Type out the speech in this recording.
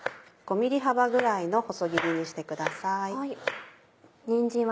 ５ｍｍ幅ぐらいの細切りにしてください。